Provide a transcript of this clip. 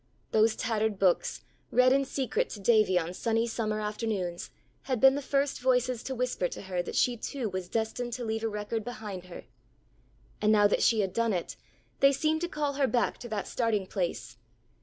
Those tattered books, read in secret to Davy on sunny summer afternoons, had been the first voices to whisper to her that she too was destined to leave a record behind her. And now that she had done it, they seemed to call her back to that starting place.